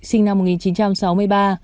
sinh năm một nghìn chín trăm sáu mươi ba